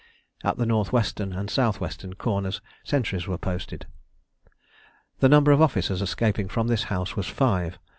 At the north western and south western corners sentries were posted. The number of officers escaping from this house was five.